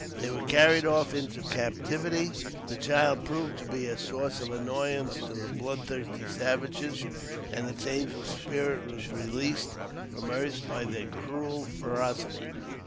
They were carried off into captivity. The child proved to be a source of annoyance to the blood thirsty savages, and its angel spirit was released from earth by their cruel ferocity.